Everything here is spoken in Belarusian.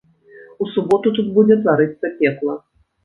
У суботу тут будзе тварыцца пекла.